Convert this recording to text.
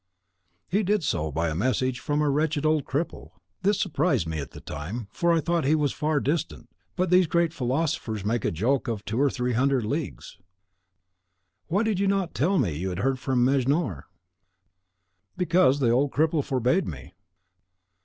"He did so by a message from a wretched old cripple. This surprised me at the time, for I thought he was far distant; but these great philosophers make a joke of two or three hundred leagues." "Why did you not tell me you had heard from Mejnour?" "Because the old cripple forbade me."